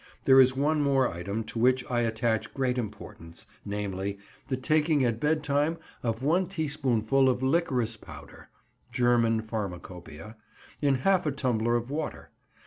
There is one more item to which I attach great importance, namely, the taking at bed time of one teaspoonful of liquorice powder (German Pharmacopoeia) in half a tumbler of water.